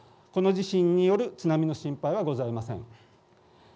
この地震による津波の心配はございません。